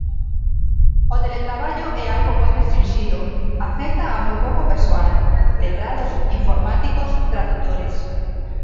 O teletraballo é algo moi restrinxido, afecta a moi pouco persoal: letrados, informáticos, tradutores.